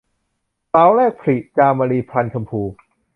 สาวแรกผลิ - จามรี พรรณชมพู